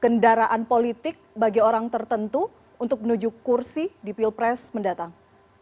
kendaraan politik bagi orang tertentu untuk menuju kursi di pilpres mendatang